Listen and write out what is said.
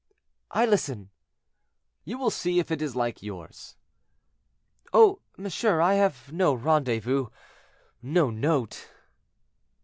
"I listen." "You will see if it is like yours." "Oh! monsieur, I have no rendezvous—no note."